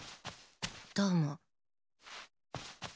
どうも。